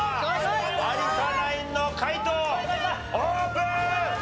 有田ナインの解答オープン！